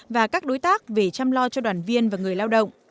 và các đối tác về chăm lo cho đoàn viên và người lao động